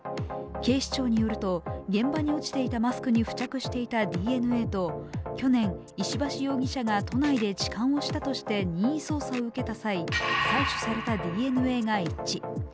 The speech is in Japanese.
警視庁によると、現場に落ちていたマスクに付着していたＤＮＡと去年、石橋容疑者が都内で痴漢をしたとして任意捜査を受けた際、採取されたＤＮＡが一致。